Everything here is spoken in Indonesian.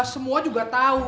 semua juga tahu